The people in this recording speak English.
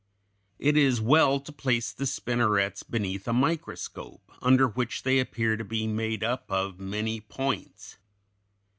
It is well to place the spinnerets beneath a microscope, under which they appear to be made up of many points.